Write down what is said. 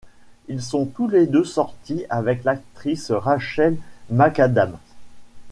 Ils sont tous les deux sortis avec l'actrice Rachel McAdams.